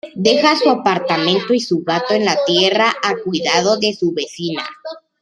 Deja su apartamento y su gato en la Tierra, a cuidado de su vecina.